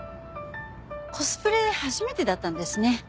コスプレ初めてだったんですね。